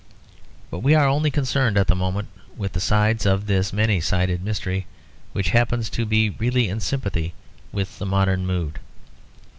But we are only concerned at the moment with the sides of this many sided mystery which happen to be really in sympathy with the modern mood.